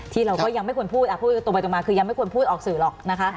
เราก็ยังไม่ควรพูดพูดตรงไปตรงมาคือยังไม่ควรพูดออกสื่อหรอกนะคะ